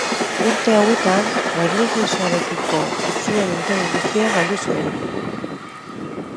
Urte hauetan erlijiosoarekiko zuen interes guztia galdu zuen.